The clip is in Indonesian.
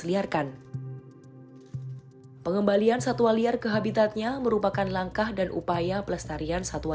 liarkan pengembalian satwa liar ke habitatnya merupakan langkah dan upaya pelestarian satwa